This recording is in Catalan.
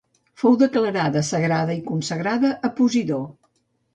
Fou declarada sagrada i consagrada a Posidó.